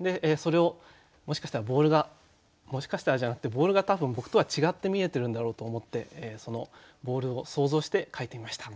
でそれをもしかしたらボールがもしかしたらじゃなくてボールが多分僕とは違って見えているんだろうと思ってそのボールを想像して書いてみました。